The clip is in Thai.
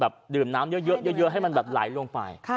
ดื่มน้ำเยอะให้มันแบบไหลลงไป